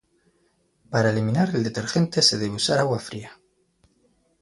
Para eliminar el detergente se debe usar agua fría.